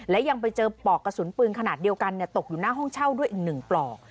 และยังไปเจอปลอกกระสุนปืนขนาดเดียวกันตกอยู่หน้าห้องเช่าด้วยอีก๑ปลอก